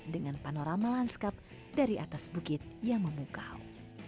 dengan panorama lanskap dari atas bukit yang memukau